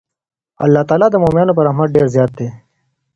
الله تعالی د مؤمنانو په رحمت ډېر زیات دی.